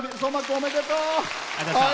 おめでとう。